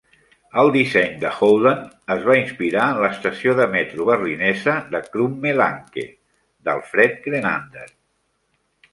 El disseny de Holden es va inspirar en l'estació de metro berlinesa de Krumme Lanke, d'Alfred Grenander.